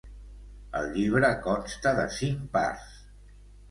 El llibre consta de cinc parts.